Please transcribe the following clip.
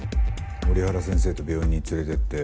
折原先生と病院に連れていって。